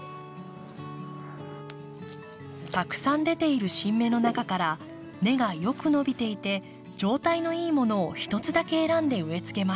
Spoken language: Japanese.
たくさん出ている新芽の中から根がよく伸びていて状態のいいものを１つだけ選んで植えつけます。